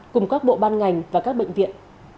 cùng các bộ ban ngành và các bệnh viện